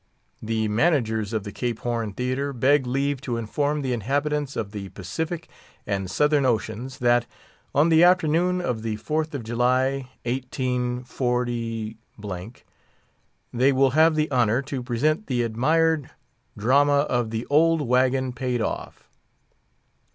The managers of the Cape Horn Theatre beg leave to inform the inhabitants of the Pacific and Southern Oceans that, on the afternoon of the Fourth of July, 184—, they will have the honour to present the admired drama of THE OLD WAGON PAID OFF!